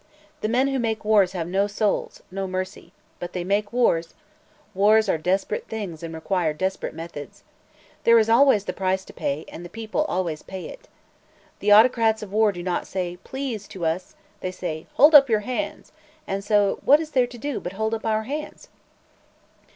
The men who make wars have no souls no mercy. But they make wars. Wars are desperate things and require desperate methods. There is always the price to pay, and the people always pay it. The autocrats of war do not say 'Please!' to us; they say 'Hold up your hands!' and so what is there to do but hold up our hands?"